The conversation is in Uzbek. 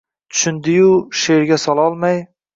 Tushundi-yu, she’rga sololmay